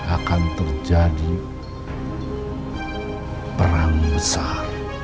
akan terjadi perang besar